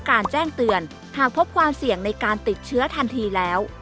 แจ้งเตือนหากพบความเสี่ยงในการติดเชื้อทันทีแล้ว